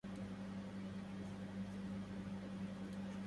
كانت تجربة محطمة للأعصاب.